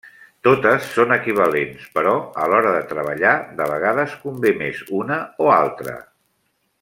Totes són equivalents, però a l'hora de treballar de vegades convé més una o altra.